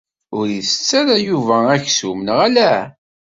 Ur itett ara Yuba aksum, neɣ ala?